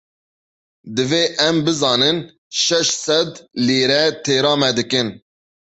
Divê em bizanin şeş sed lîre têra me dikin.